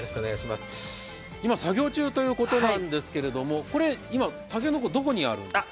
今、作業中ということですがたけのこ、どこにあるんですか。